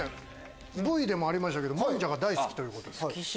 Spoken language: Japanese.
ＶＴＲでもありましたけどもんじゃが大好きということで。